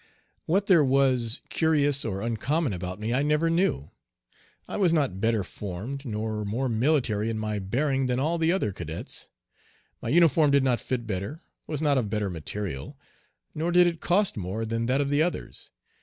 What there was curious or uncommon about me I never knew. I was not better formed, nor more military in my bearing than all the other cadets. My uniform did not fit better, was not of better material, nor did it cost more than that of the others.